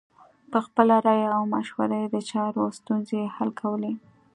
په خپله رایه او مشوره یې د چارو ستونزې حل کولې.